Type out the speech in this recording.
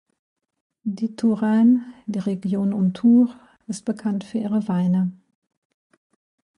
Die Touraine, die Region um Tours, ist bekannt für ihre Weine.